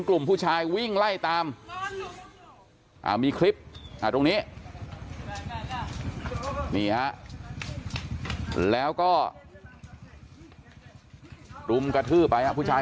กลุ่มผู้ชายวิ่งไล่ตามมีคลิปตรงนี้นี่ฮะแล้วก็รุมกระทืบไปฮะผู้ชาย